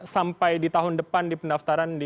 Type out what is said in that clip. sampai di tahun depan di pendaftaran di